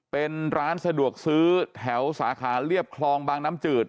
เป็นร้านสะดวกซื้อแถวสาขาเรียบคลองบางน้ำจืด